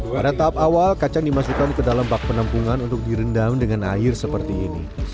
pada tahap awal kacang dimasukkan ke dalam bak penampungan untuk direndam dengan air seperti ini